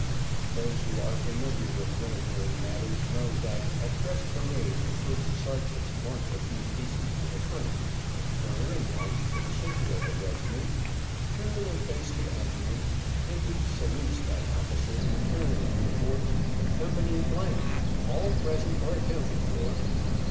Those who are familiar with military matters, know that at dress parade the first sergeants march a few paces to the front, then turn and march to the center of the regiment, turn and face the adjutant, and each salutes that officer in turn, and reports, "Co. , all present or accounted for."